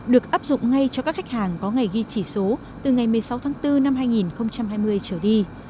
được áp dụng ngay cho các khách hàng có ngày ghi chỉ số từ ngày một mươi sáu tháng bốn năm hai nghìn hai mươi trở đi